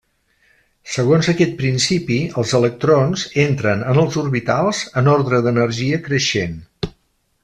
Segons aquest principi, els electrons entren en els orbitals, en ordre d'energia creixent.